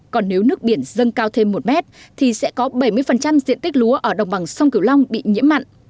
còn nếu nước biển dâng cao thêm một mét thì sẽ có bảy mươi diện tích lúa ở đồng bằng sông cửu long bị nhiễm mặn